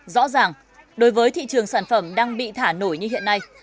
rõ ràng đối với thị trường sản phẩm đang bị thả nổi như hiện nay